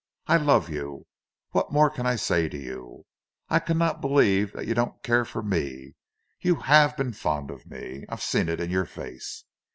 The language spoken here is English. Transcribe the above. I love you! What more can I say to you? I cannot believe that you don't care for me—you have been fond of me—I have seen it in your face.